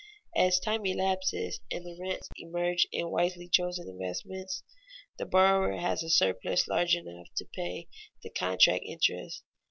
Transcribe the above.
As time elapses and the rents emerge in wisely chosen investments, the borrower has a surplus large enough to pay the contract interest.